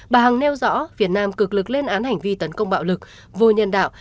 bà hằng nêu rõ việt nam cực lực lên án hành vi tấn công bạo lực vô nhân đạo